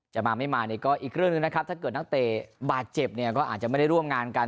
จะมาไม่มาเนี่ยก็อีกเรื่องหนึ่งนะครับถ้าเกิดนักเตะบาดเจ็บเนี่ยก็อาจจะไม่ได้ร่วมงานกัน